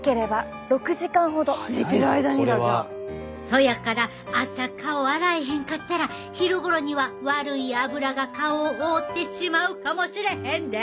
そやから朝顔洗えへんかったら昼頃には悪い脂が顔を覆ってしまうかもしれへんで！